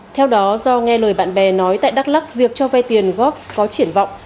theo đó do nghe lời bạn bè nói tại đắk lắc việc cho vay tiền góp có triển vọng